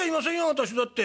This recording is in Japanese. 私だって。